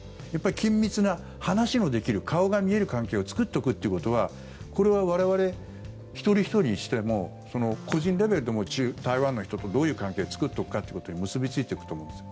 緊密な、話のできる顔が見える関係を作っておくということはこれは我々一人ひとりにしても個人レベルでも台湾の人とどういう関係を作っておくかということに結びついていくと思うんです。